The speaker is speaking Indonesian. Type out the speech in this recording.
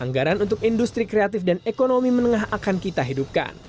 anggaran untuk industri kreatif dan ekonomi menengah akan kita hidupkan